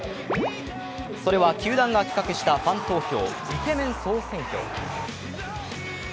それは球団が企画したファン投票イケメン総選挙。